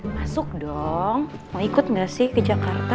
masuk dong mau ikut nggak sih ke jakarta